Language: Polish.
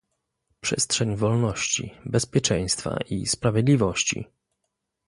Przestrzeń wolności, bezpieczeństwa i sprawiedliwości